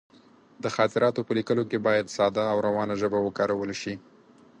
د خاطراتو په لیکلو کې باید ساده او روانه ژبه وکارول شي.